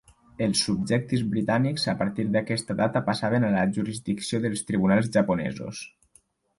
Els subjectes britànics a partir d'aquesta data passaven a la jurisdicció dels tribunals japonesos.